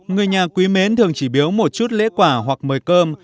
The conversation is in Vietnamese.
người nhà quý mến thường chỉ biếu một chút lễ quả hoặc mời cơm